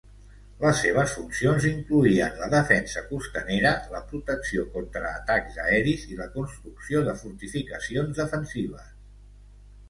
Les seves funcions incloïen la defensa costanera, la protecció contra atacs aeris i la construcció de fortificacions defensives.